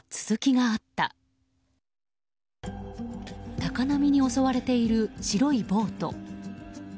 高波に襲われている白いボート。